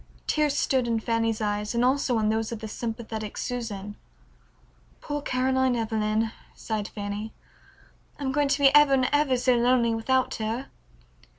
Tears stood in Fanny's eyes and also in those of the sympathetic Susan. "Poor Caroline Evelyn," sighed Fanny, "I'm going to be ever and ever so lonely without her."